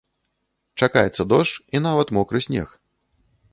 Чакаецца дождж і нават мокры снег.